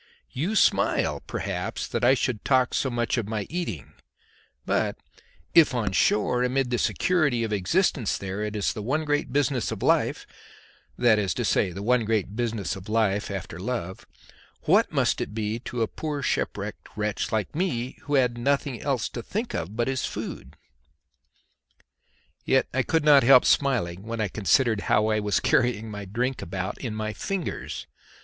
You smile, perhaps, that I should talk so much of my eating; but if on shore, amid the security of existence there, it is the one great business of life, that is to say, the one great business of life after love, what must it be to a poor shipwrecked wretch like me, who had nothing else to think of but his food? Yet I could not help smiling when I considered how I was carrying my drink about in my fingers.